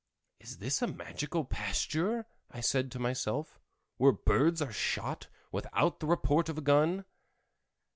"Is this a magical pasture," I said to myself, "where birds are shot without the report of a gun?"